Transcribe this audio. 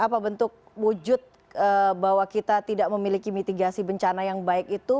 apa bentuk wujud bahwa kita tidak memiliki mitigasi bencana yang baik itu